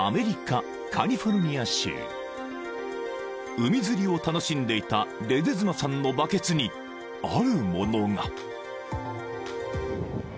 ［海釣りを楽しんでいたレデズマさんのバケツにあるものが］